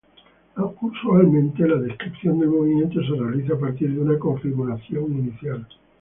Usualmente la descripción del movimiento se realiza a partir de una configuración inicial.